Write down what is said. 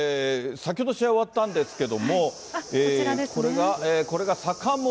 先ほど試合、終わったんですけれども。